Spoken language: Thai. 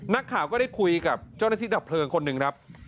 นักข่าวก็ได้คุยกับเจ้านาธิดับเพลิงคนนึง